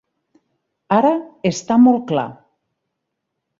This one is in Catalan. Ara està molt clar.